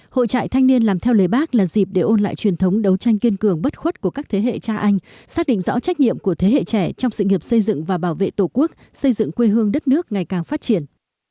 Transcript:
hội trại thanh niên làm theo lời bác là dịp để ôn lại truyền thống đấu tranh kiên cường bất khuất của các thế hệ cha anh xác định rõ trách nhiệm của thế hệ trẻ trong sự nghiệp xây dựng và bảo vệ tổ quốc xây dựng quê hương đất nước ngày càng phát triển